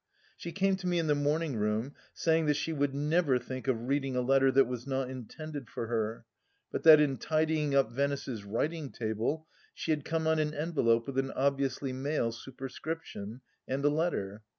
She came to me in the morning room, saying that she would never think of reading a letter that was not intended for her, but that in tidying up Venice's writing table she had come on an envelope with an obviously male superscription, and a letter.